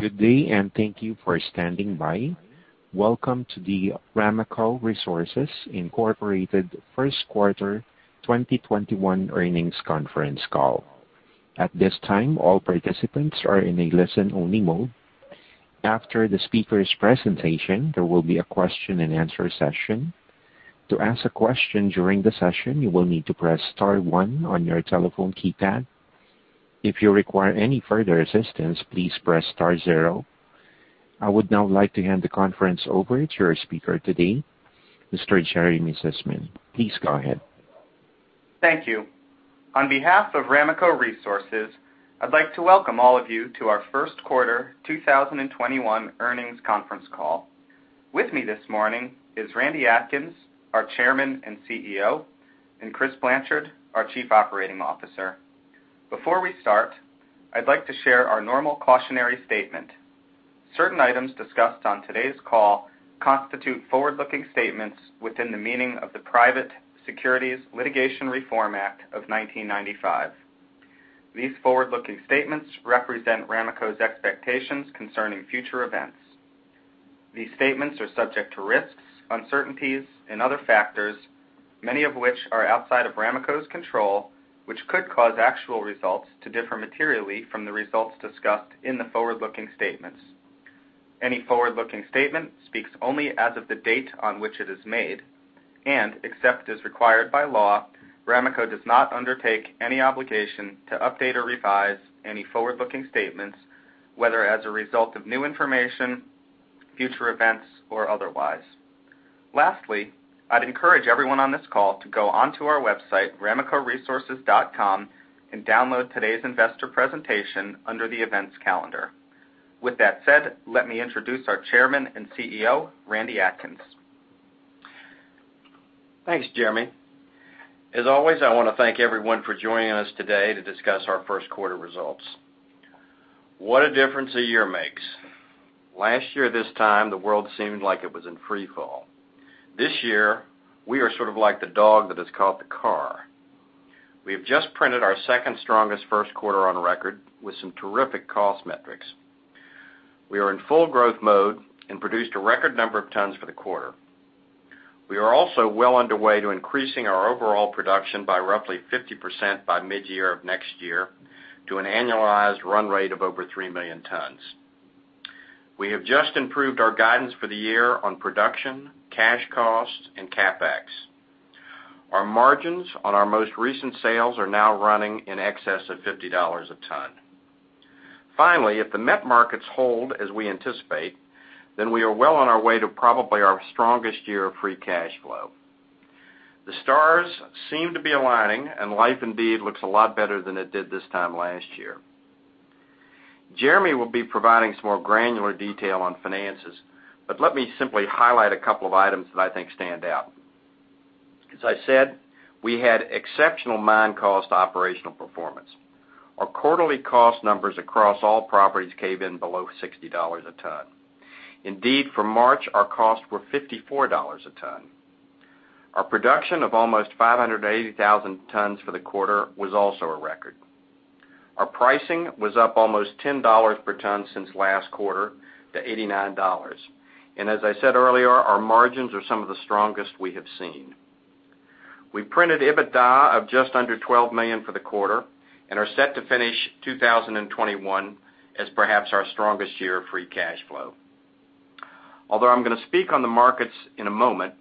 Good day, and thank you for standing by. Welcome to the Ramaco Resources, Inc. first quarter 2021 earnings conference call. At this time, all participants are in a listen-only mode. After the speaker's presentation, there will be a question and answer session. To ask a question during the session, you will need to press star one on your telephone keypad. If you require further assistance, please press star zero. I would now like to hand the conference over to your speaker today, Mr. Jeremy Sussman. Please go ahead. Thank you. On behalf of Ramaco Resources, I'd like to welcome all of you to our first quarter 2021 earnings conference call. With me this morning is Randy Atkins, our Chairman and CEO, and Chris Blanchard, our Chief Operating Officer. Before we start, I'd like to share our normal cautionary statement. Certain items discussed on today's call constitute forward-looking statements within the meaning of the Private Securities Litigation Reform Act of 1995. These forward-looking statements represent Ramaco's expectations concerning future events. These statements are subject to risks, uncertainties and other factors, many of which are outside of Ramaco's control, which could cause actual results to differ materially from the results discussed in the forward-looking statements. Any forward-looking statement speaks only as of the date on which it is made, and except as required by law, Ramaco does not undertake any obligation to update or revise any forward-looking statements, whether as a result of new information, future events, or otherwise. Lastly, I'd encourage everyone on this call to go onto our website, ramacoresources.com, and download today's investor presentation under the events calendar. With that said, let me introduce our Chairman and CEO, Randy Atkins. Thanks, Jeremy. As always, I want to thank everyone for joining us today to discuss our first quarter results. What a difference a year makes. Last year this time, the world seemed like it was in free fall. This year, we are sort of like the dog that has caught the car. We have just printed our second strongest first quarter on record with some terrific cost metrics. We are in full growth mode and produced a record number of tons for the quarter. We are also well underway to increasing our overall production by roughly 50% by mid-year of next year to an annualized run rate of over 3,000,000 tons. We have just improved our guidance for the year on production, cash cost, and CapEx. Our margins on our most recent sales are now running in excess of $50 a ton. Finally, if the met markets hold as we anticipate, we are well on our way to probably our strongest year of free cash flow. The stars seem to be aligning, and life indeed looks a lot better than it did this time last year. Jeremy will be providing some more granular detail on finances, but let me simply highlight a couple of items that I think stand out. As I said, we had exceptional mine cost operational performance. Our quarterly cost numbers across all properties came in below $60 a ton. Indeed, for March, our costs were $54 a ton. Our production of almost 580,000 tons for the quarter was also a record. Our pricing was up almost $10 per ton since last quarter to $89. As I said earlier, our margins are some of the strongest we have seen. We printed EBITDA of just under $12 million for the quarter and are set to finish 2021 as perhaps our strongest year of free cash flow. Although I'm going to speak on the markets in a moment,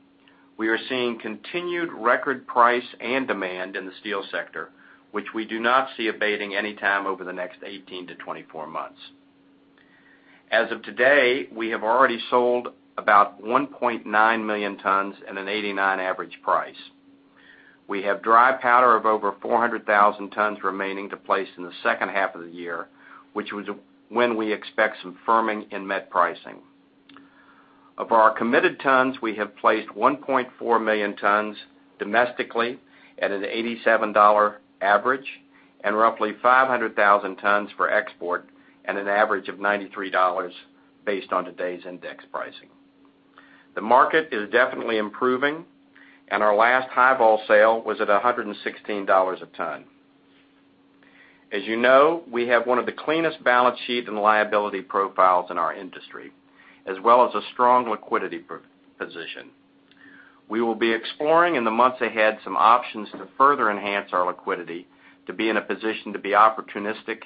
we are seeing continued record price and demand in the steel sector, which we do not see abating any time over the next 18-24 months. As of today, we have already sold about 1,900,000 tons at an $89 average price. We have dry powder of over 400,000 tons remaining to place in the second half of the year, which was when we expect some firming in met pricing. Of our committed tons, we have placed 1,400,000 tons domestically at an $87 average and roughly 500,000 tons for export at an average of $93 based on today's index pricing. The market is definitely improving, and our last High-Vol sale was at $116 a ton. As you know, we have one of the cleanest balance sheet and liability profiles in our industry, as well as a strong liquidity position. We will be exploring in the months ahead some options to further enhance our liquidity to be in a position to be opportunistic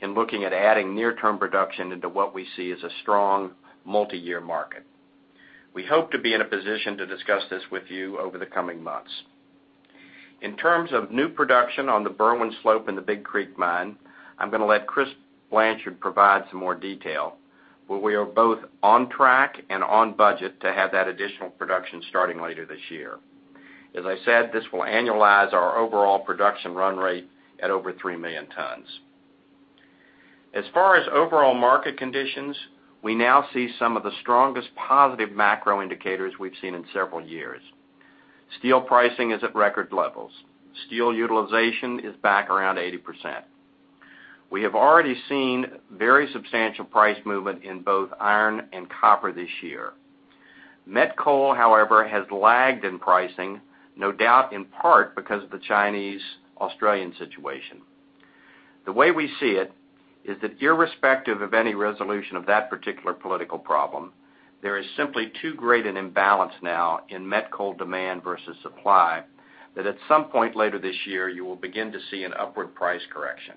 in looking at adding near-term production into what we see as a strong multi-year market. We hope to be in a position to discuss this with you over the coming months. In terms of new production on the Berwind Slope and the Big Creek Mine, I'm going to let Chris Blanchard provide some more detail. We are both on track and on budget to have that additional production starting later this year. As I said, this will annualize our overall production run rate at over 3,000,000 tons. As far as overall market conditions, we now see some of the strongest positive macro indicators we've seen in several years. Steel pricing is at record levels. Steel utilization is back around 80%. We have already seen very substantial price movement in both iron and copper this year. Met coal, however, has lagged in pricing, no doubt in part because of the Chinese-Australian situation. The way we see it is that irrespective of any resolution of that particular political problem, there is simply too great an imbalance now in met coal demand versus supply, that at some point later this year, you will begin to see an upward price correction.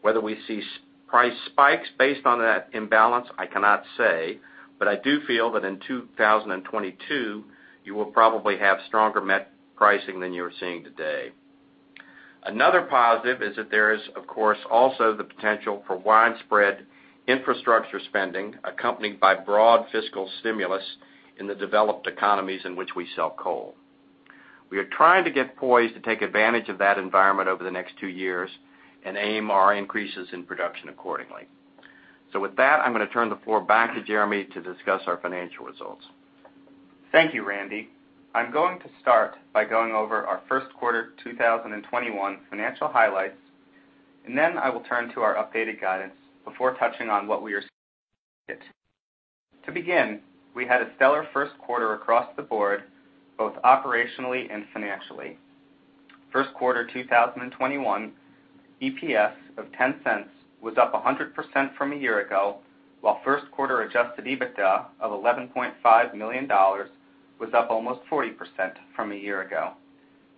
Whether we see price spikes based on that imbalance, I cannot say, but I do feel that in 2022, you will probably have stronger met pricing than you are seeing today. Another positive is that there is, of course, also the potential for widespread infrastructure spending accompanied by broad fiscal stimulus in the developed economies in which we sell coal. We are trying to get poised to take advantage of that environment over the next two years and aim our increases in production accordingly. With that, I'm going to turn the floor back to Jeremy to discuss our financial results. Thank you, Randy. I'm going to start by going over our first quarter 2021 financial highlights, and then I will turn to our updated guidance. To begin, we had a stellar first quarter across the board, both operationally and financially. First quarter 2021 EPS of $0.10 was up 100% from a year ago, while first quarter adjusted EBITDA of $11.5 million was up almost 40% from a year ago.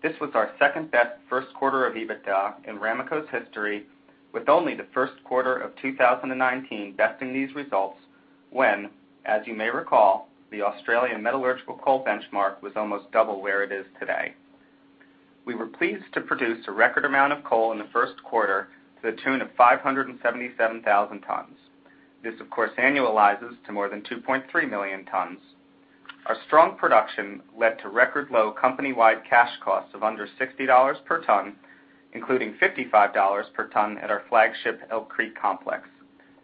This was our second-best first quarter of EBITDA in Ramaco's history, with only the first quarter of 2019 besting these results when, as you may recall, the Australian metallurgical coal benchmark was almost double where it is today. We were pleased to produce a record amount of coal in the first quarter to the tune of 577,000 tons. This, of course, annualizes to more than 2,300,000 tons. Our strong production led to record low company-wide cash costs of under $60 /ton, including $55 /ton at our flagship Elk Creek complex.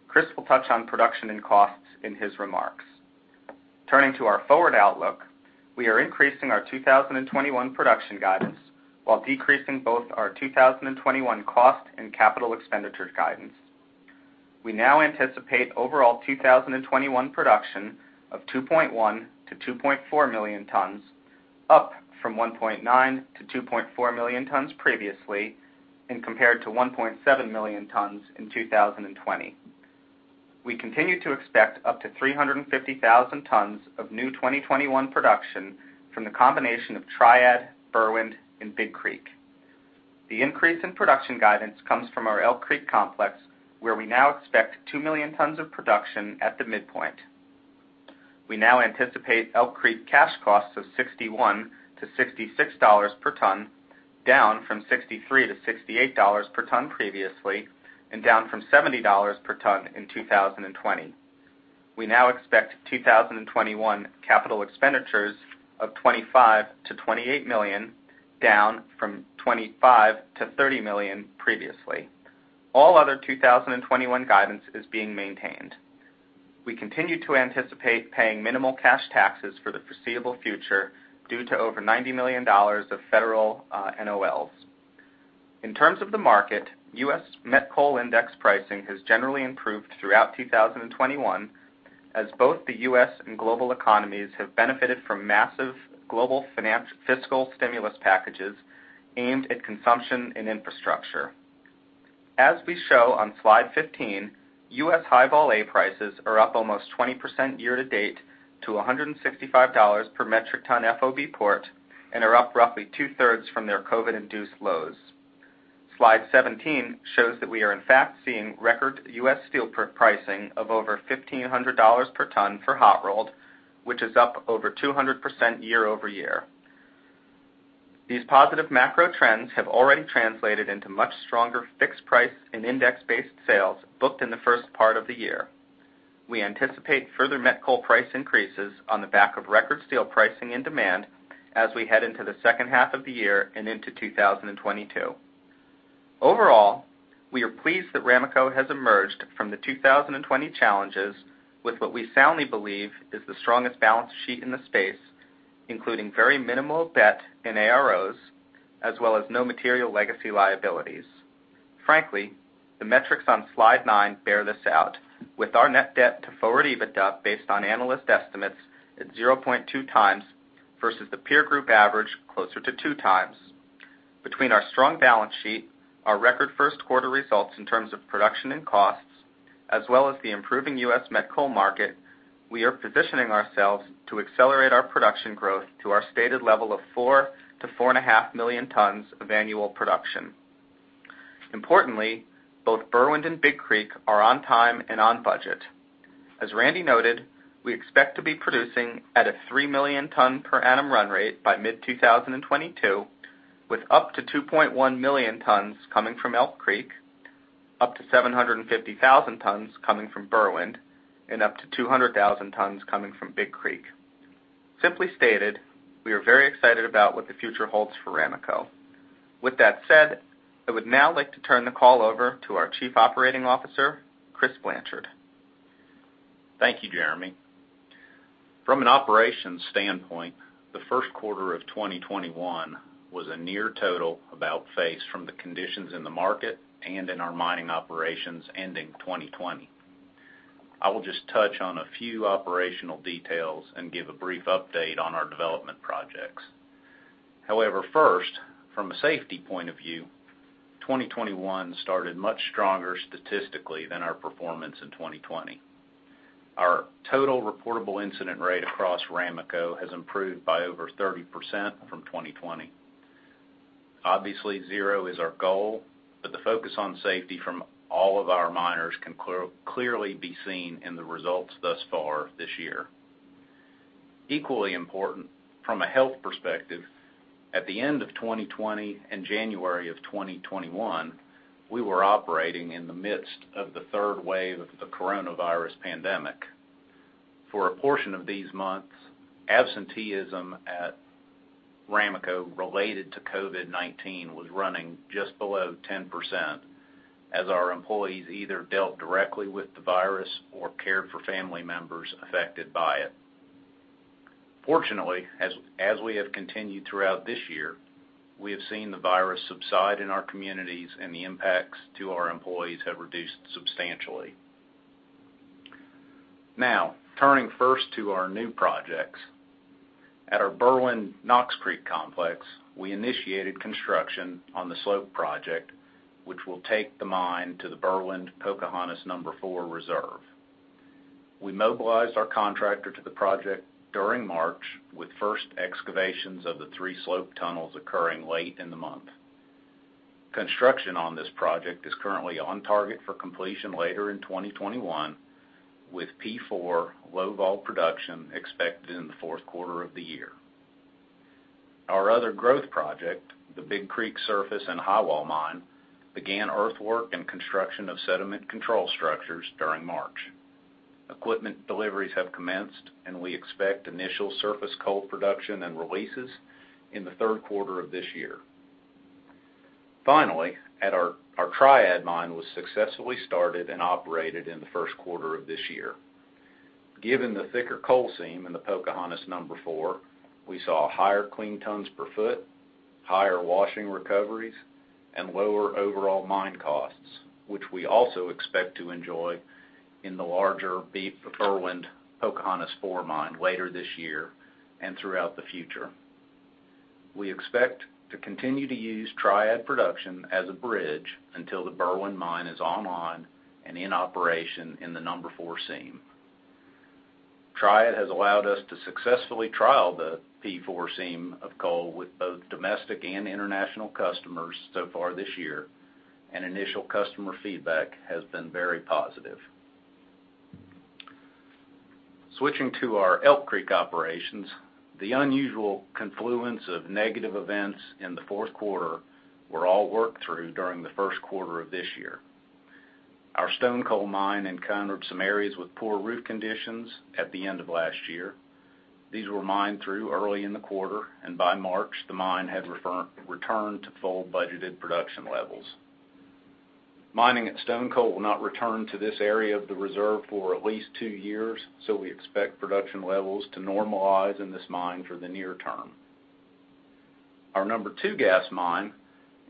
Chris will touch on production and costs in his remarks. Turning to our forward outlook, we are increasing our 2021 production guidance while decreasing both our 2021 cost and capital expenditure guidance. We now anticipate overall 2021 production of 2,100,000-2,400,000 tons, up from 1,900,000-2,400,000 tons previously, and compared to 1,700,000 tons in 2020. We continue to expect up to 350,000 tons of new 2021 production from the combination of Triad, Berwind, and Big Creek. The increase in production guidance comes from our Elk Creek complex, where we now expect 2,000,000 tons of production at the midpoint. We now anticipate Elk Creek cash costs of $61-$66 /ton, down from $63-$68 /ton previously, and down from $70 /ton in 2020. We now expect 2021 capital expenditures of $25 million-$28 million, down from $25 million-$30 million previously. All other 2021 guidance is being maintained. We continue to anticipate paying minimal cash taxes for the foreseeable future due to over $90 million of federal NOLs. In terms of the market, U.S. met coal index pricing has generally improved throughout 2021, as both the U.S. and global economies have benefited from massive global fiscal stimulus packages aimed at consumption and infrastructure. As we show on slide 15, U.S. High-Vol A prices are up almost 20% year to date to $165 per metric ton FOB port and are up roughly two-thirds from their COVID-induced lows. Slide 17 shows that we are in fact seeing record U.S. steel pricing of over $1,500 /ton for hot rolled, which is up over 200% year-over-year. These positive macro trends have already translated into much stronger fixed price and index-based sales booked in the first part of the year. We anticipate further met coal price increases on the back of record steel pricing and demand as we head into the second half of the year and into 2022. Overall, we are pleased that Ramaco has emerged from the 2020 challenges with what we soundly believe is the strongest balance sheet in the space, including very minimal debt and AROs, as well as no material legacy liabilities. Frankly, the metrics on slide nine bear this out with our net debt to forward EBITDA based on analyst estimates at 0.2 times versus the peer group average closer to 2 times. Between our strong balance sheet, our record first quarter results in terms of production and costs, as well as the improving U.S. met coal market, we are positioning ourselves to accelerate our production growth to our stated level of 4,000,000-4,500,000 tons of annual production. Importantly, both Berwind and Big Creek are on time and on budget. As Randy noted, we expect to be producing at a 3,000,000 ton per annum run rate by mid-2022, with up to 2,100,000 tons coming from Elk Creek, up to 750,000 tons coming from Berwind, and up to 200,000 tons coming from Big Creek. Simply stated, we are very excited about what the future holds for Ramaco. With that said, I would now like to turn the call over to our Chief Operating Officer, Chris Blanchard. Thank you, Jeremy. From an operations standpoint, the first quarter of 2021 was a near total about-face from the conditions in the market and in our mining operations ending 2020. I will just touch on a few operational details and give a brief update on our development projects. First, from a safety point of view, 2021 started much stronger statistically than our performance in 2020. Our total reportable incident rate across Ramaco has improved by over 30% from 2020. Obviously, zero is our goal, but the focus on safety from all of our miners can clearly be seen in the results thus far this year. Equally important, from a health perspective, at the end of 2020 and January of 2021, we were operating in the midst of the third wave of the coronavirus pandemic. For a portion of these months, absenteeism at Ramaco related to COVID-19 was running just below 10%, as our employees either dealt directly with the virus or cared for family members affected by it. Fortunately, as we have continued throughout this year, we have seen the virus subside in our communities and the impacts to our employees have reduced substantially. Now, turning first to our new projects. At our Berwind Knox Creek complex, we initiated construction on the slope project, which will take the mine to the Berwind Pocahontas No. 4 reserve. We mobilized our contractor to the project during March, with first excavations of the three slope tunnels occurring late in the month. Construction on this project is currently on target for completion later in 2021, with P4 low-vol production expected in the fourth quarter of the year. Our other growth project, the Big Creek Surface and Highwall Mine, began earthwork and construction of sediment control structures during March. Equipment deliveries have commenced, and we expect initial surface coal production and releases in the third quarter of this year. Finally, our Triad mine was successfully started and operated in the first quarter of this year. Given the thicker coal seam in the Pocahontas No. 4, we saw higher clean tons per foot, higher washing recoveries, and lower overall mine costs, which we also expect to enjoy in the larger Berwind Pocahontas No. 4 mine later this year, and throughout the future. We expect to continue to use Triad production as a bridge until the Berwind mine is online and in operation in the No. 4 seam. Triad has allowed us to successfully trial the P4 seam of coal with both domestic and international customers so far this year. Initial customer feedback has been very positive. Switching to our Elk Creek operations, the unusual confluence of negative events in the fourth quarter were all worked through during the first quarter of this year. Our Stonecoal mine encountered some areas with poor roof conditions at the end of last year. These were mined through early in the quarter. By March, the mine had returned to full budgeted production levels. Mining at Stonecoal will not return to this area of the reserve for at least two years. We expect production levels to normalize in this mine for the near term. Our No. 2 Gas mine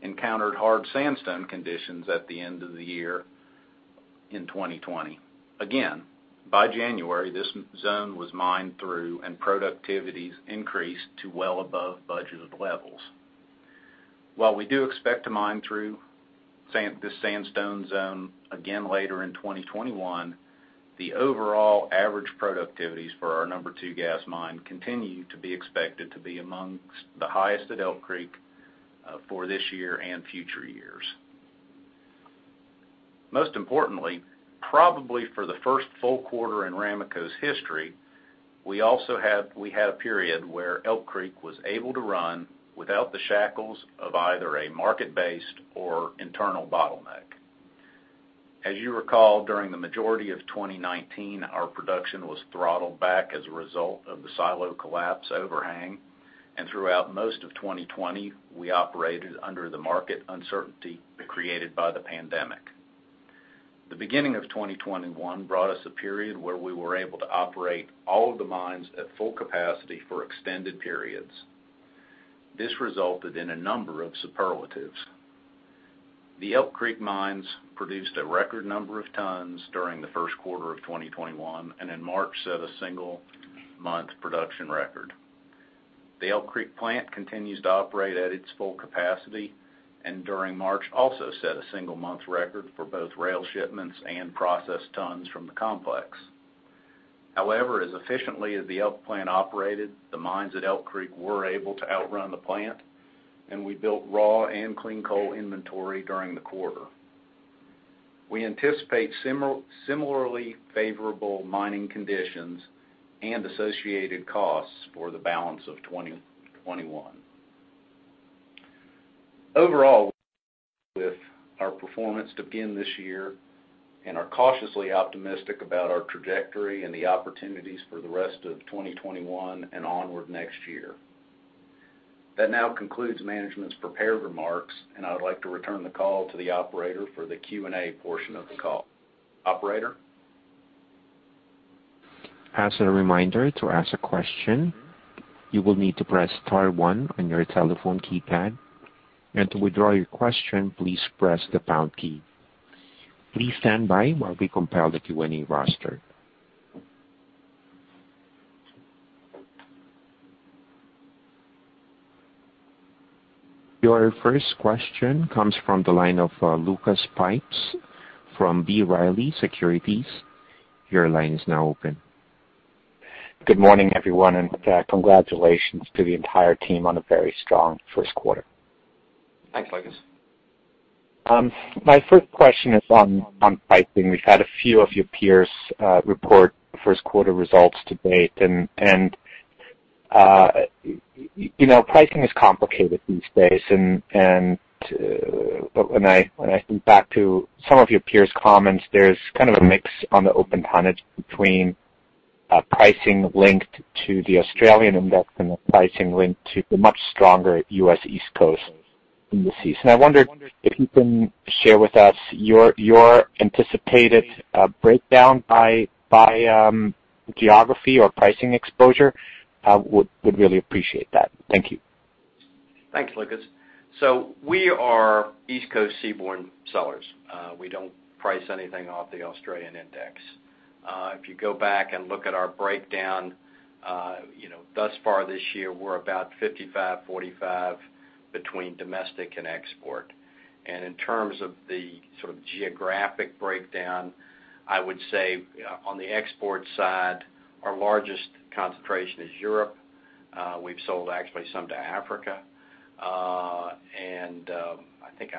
encountered hard sandstone conditions at the end of the year in 2020. Again, by January, this zone was mined through and productivities increased to well above budgeted levels. While we do expect to mine through this sandstone zone again later in 2021, the overall average productivities for our No. 2 Gas mine continue to be expected to be amongst the highest at Elk Creek, for this year and future years. Most importantly, probably for the first full quarter in Ramaco's history, we had a period where Elk Creek was able to run without the shackles of either a market-based or internal bottleneck. As you recall, during the majority of 2019, our production was throttled back as a result of the silo collapse overhang, and throughout most of 2020, we operated under the market uncertainty created by the pandemic. The beginning of 2021 brought us a period where we were able to operate all of the mines at full capacity for extended periods. This resulted in a number of superlatives. The Elk Creek mines produced a record number of tons during the first quarter of 2021, and in March, set a single month production record. The Elk Creek plant continues to operate at its full capacity, and during March, also set a single month record for both rail shipments and processed tons from the complex. However, as efficiently as the Elk plant operated, the mines at Elk Creek were able to outrun the plant, and we built raw and clean coal inventory during the quarter. We anticipate similarly favorable mining conditions and associated costs for the balance of 2021. Overall, with our performance to begin this year and are cautiously optimistic about our trajectory and the opportunities for the rest of 2021 and onward next year. That now concludes management's prepared remarks, and I would like to return the call to the operator for the Q&A portion of the call. Operator? As a reminder, to ask a question, you will need to press star one on your telephone keypad. To withdraw your question, please press the pound key. Please stand by while we compile the Q&A roster. Your first question comes from the line of Lucas Pipes from B. Riley Securities. Your line is now open. Good morning, everyone, congratulations to the entire team on a very strong first quarter. Thanks, Lucas. My first question is on pricing. We've had a few of your peers report first quarter results to date. Pricing is complicated these days. When I think back to some of your peers' comments, there's kind of a mix on the open tonnage between pricing linked to the Australian index and the pricing linked to the much stronger U.S. East Coast indices. I wondered if you can share with us your anticipated breakdown by geography or pricing exposure. Would really appreciate that. Thank you. Thanks, Lucas. We are East Coast seaborne sellers. We don't price anything off the Australian index. If you go back and look at our breakdown thus far this year, we're about 55/45 between domestic and export. In terms of the sort of geographic breakdown, I would say on the export side, our largest concentration is Europe. We've sold actually some to Africa. I think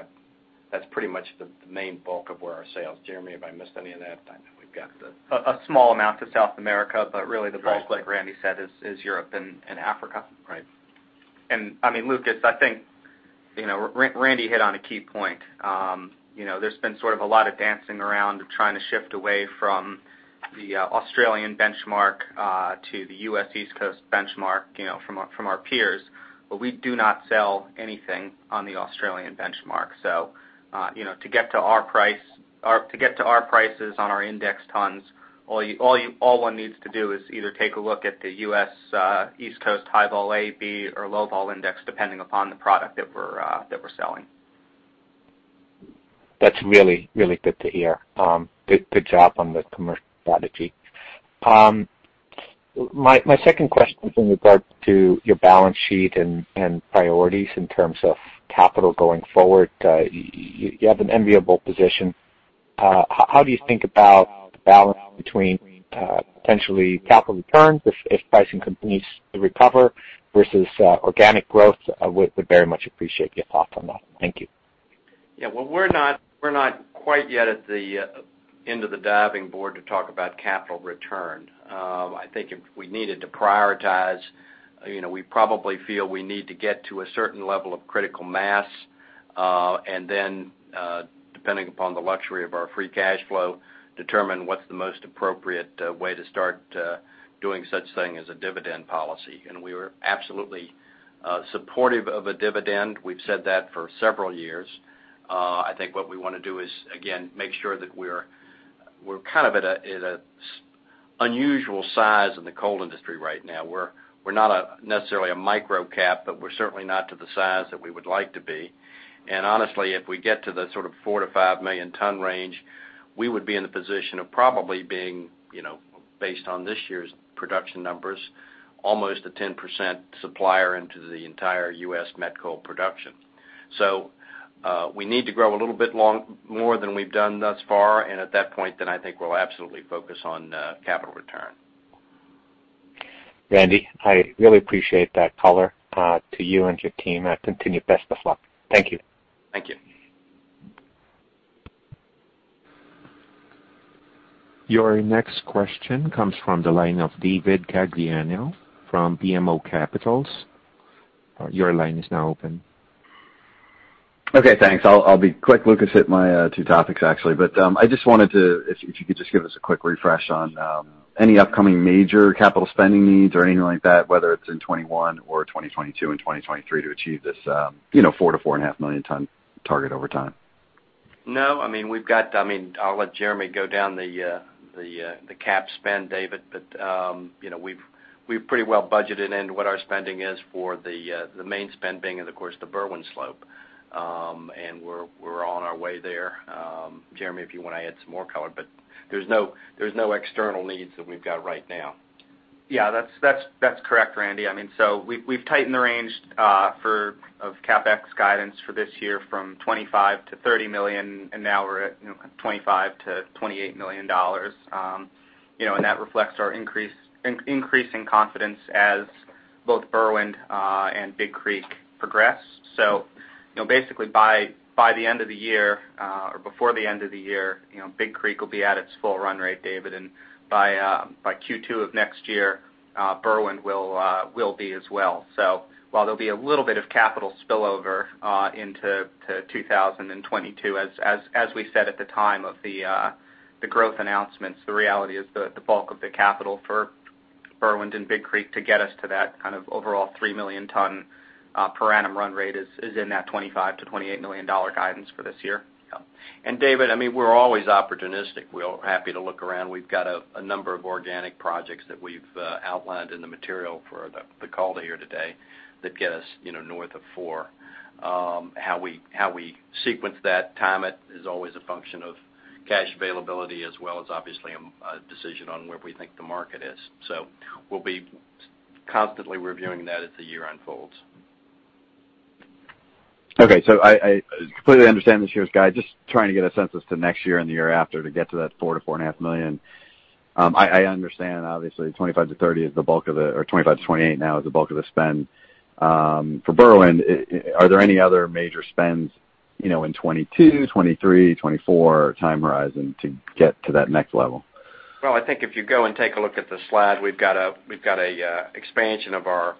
that's pretty much the main bulk of where our sales. Jeremy, have I missed any of that? A small amount to South America. Right. Like Randy said, is Europe and Africa. Right. Lucas, I think Randy hit on a key point. There's been sort of a lot of dancing around of trying to shift away from the Australian benchmark to the U.S. East Coast benchmark from our peers. We do not sell anything on the Australian benchmark. To get to our prices on our index tons, all one needs to do is either take a look at the U.S. East Coast High-Vol A, B, or low-vol index, depending upon the product that we're selling. That's really, really good to hear. Good job on the commercial strategy. My second question is in regard to your balance sheet and priorities in terms of capital going forward. You have an enviable position. How do you think about the balance between potentially capital returns if pricing continues to recover versus organic growth? Would very much appreciate your thoughts on that. Thank you. Yeah. Well, we're not quite yet at the end of the diving board to talk about capital return. I think if we needed to prioritize, we probably feel we need to get to a certain level of critical mass. Then depending upon the luxury of our free cash flow, determine what's the most appropriate way to start doing such thing as a dividend policy. We are absolutely supportive of a dividend. We've said that for several years. I think what we want to do is, again, make sure that we're kind of at an unusual size in the coal industry right now. We're not necessarily a micro cap, but we're certainly not to the size that we would like to be. Honestly, if we get to the sort of 4,000,000-5,000,000 ton range, we would be in the position of probably being, based on this year's production numbers, almost a 10% supplier into the entire U.S. met coal production. We need to grow a little bit more than we've done thus far. At that point, then I think we'll absolutely focus on capital return. Randy, I really appreciate that color. To you and your team, continued best of luck. Thank you. Thank you. Your next question comes from the line of David Gagliano from BMO Capital. Your line is now open. Okay, thanks. I'll be quick. Lucas hit my two topics actually, I just wanted to, if you could just give us a quick refresh on any upcoming major capital spending needs or anything like that, whether it's in 2021 or 2022 and 2023 to achieve this 4,000,000-4,500,000 ton target over time? I'll let Jeremy go down the CapEx, David. We've pretty well budgeted in what our spending is for the main spend being in, of course, the Berwind slope. We're on our way there. Jeremy, if you want to add some more color, but there's no external needs that we've got right now. Yeah, that's correct, Randy. We've tightened the range of CapEx guidance for this year from $25 million-$30 million, and now we're at $25 million-$28 million. That reflects our increasing confidence as both Berwind and Big Creek progress. Basically by the end of the year or before the end of the year, Big Creek will be at its full run rate, David. By Q2 of next year Berwind will be as well. While there'll be a little bit of capital spillover into 2022, as we said at the time of the growth announcements, the reality is the bulk of the capital for Berwind and Big Creek to get us to that kind of overall 3,000,000 ton per annum run rate is in that $25 million-$28 million guidance for this year. Yeah. David, we're always opportunistic. We're happy to look around. We've got a number of organic projects that we've outlined in the material for the call here today that get us north of four. How we sequence that, time it, is always a function of cash availability as well as obviously a decision on where we think the market is. We'll be constantly reviewing that as the year unfolds. I completely understand this year's guide. Just trying to get a sense as to next year and the year after to get to that 4,000,000-4,500,00. I understand, obviously, $25 million-$30 million is the bulk of the or $25 million-$28 million now is the bulk of the spend. For Berwind, are there any other major spends in 2022, 2023, 2024 time horizon to get to that next level? I think if you go and take a look at the slide, we've got a expansion of our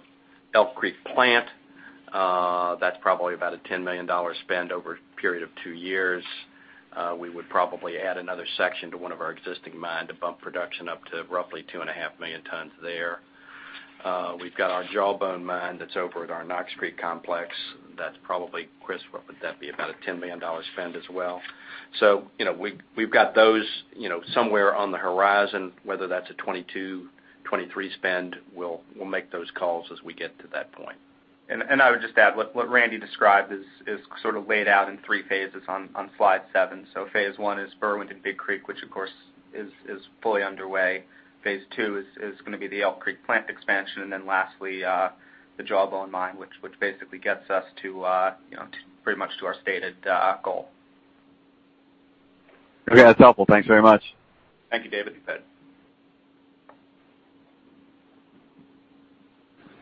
Elk Creek plant. That's probably about a $10 million spend over a period of two years. We would probably add another section to one of our existing mine to bump production up to roughly 2,500,000 tons there. We've got our Jawbone mine that's over at our Knox Creek complex. That's probably, Chris, what would that be? About a $10 million spend as well. We've got those somewhere on the horizon, whether that's a 2022, 2023 spend, we'll make those calls as we get to that point. I would just add what Randy described is sort of laid out in three phases on slide seven. Phase 1 is Berwind and Big Creek, which of course is fully underway. Phase 2 is going to be the Elk Creek plant expansion. Lastly, the Jawbone mine, which basically gets us pretty much to our stated goal. Okay. That's helpful. Thanks very much. Thank you, David.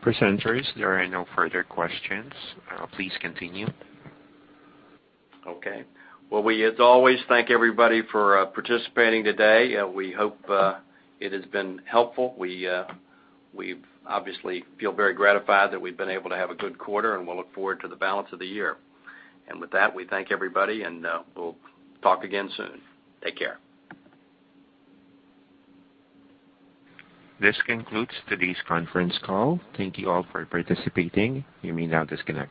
Presenters, there are no further questions. Please continue. Okay. Well, we as always thank everybody for participating today. We hope it has been helpful. We obviously feel very gratified that we've been able to have a good quarter, and we'll look forward to the balance of the year. With that, we thank everybody, and we'll talk again soon. Take care. This concludes today's conference call. Thank you all for participating. You may now disconnect.